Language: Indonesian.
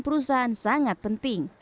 perusahaan sangat penting